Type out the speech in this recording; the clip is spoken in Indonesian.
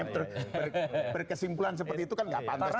berkesimpulan seperti itu kan tidak pantas juga